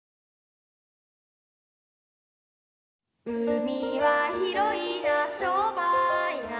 「うみはひろいなしょっぱいな」